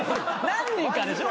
何人かでしょ？